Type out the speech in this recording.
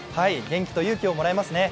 元気と勇気をもらえますね。